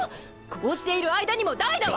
こうしている間にもダイダは。